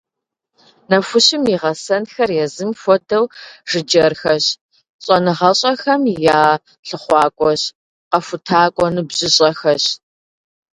Нэхущым и гъэсэнхэр езым хуэдэу жыджэрхэщ, щӀэныгъэщӀэхэм я лъыхъуакӀуэщ, къэхутакӀуэ ныбжьыщӀэхэщ.